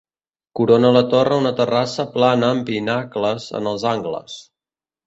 Corona la torre una terrassa plana amb pinacles en els angles.